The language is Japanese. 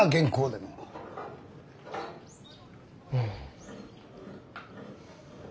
うん。